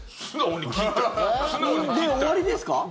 で、終わりですか？